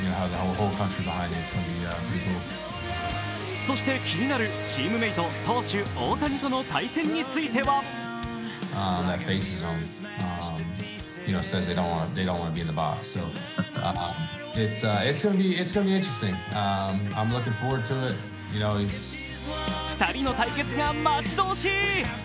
そして気になるチームメイト投手・大谷との対戦については２人の対決が待ち遠しい！